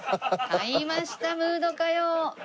買いましたムード歌謡！